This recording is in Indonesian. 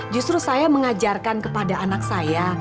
justru saya mengajarkan kepada anak saya